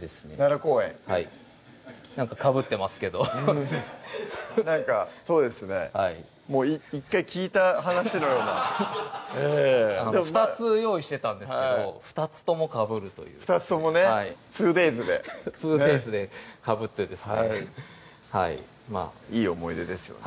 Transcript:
奈良公園はいなんかかぶってますけどなんかそうですねもう１回聞いた話のようなええ２つ用意してたんですけど２つともかぶるという２つともねツーデイズでツーデイズでかぶってですねいい思い出ですよね